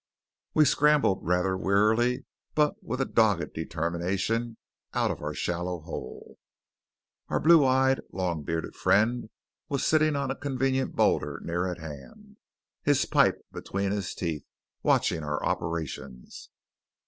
We scrambled rather wearily, but with a dogged determination, out of our shallow hole. Our blue eyed, long bearded friend was sitting on a convenient boulder near at hand, his pipe between his teeth, watching our operations.